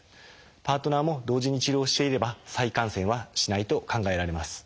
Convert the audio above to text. パートナーも同時に治療していれば再感染はしないと考えられます。